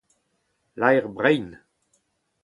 Laer brein !